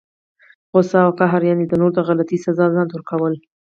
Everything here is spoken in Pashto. غصه او قهر، یعني د نورو د غلطۍ سزا ځانته ورکول!